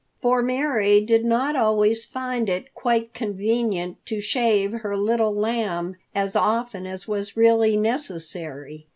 For Mary did not always find it quite convenient to shave her Little Lamb as often as was really necessary.